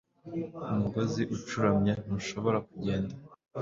Umugozi ucuramye ntushobora kugenda